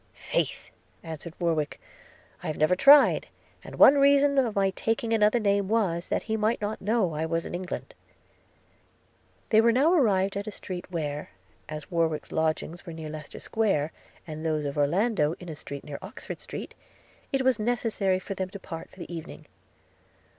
'Faith!' answered Warwick, 'I have never tried; and one reason of my taking another name, was, that he might not know I was in England.' They were now arrived at a street where, as Warwick's lodgings were near Leicester Square, and those of Orlando in a street near Oxford Street, it was necessary for them to part for the evening.